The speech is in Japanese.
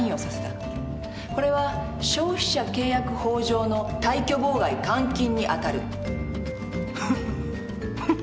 これは消費者契約法上の退去妨害監禁にあたる。